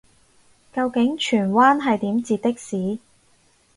究竟荃灣係點截的士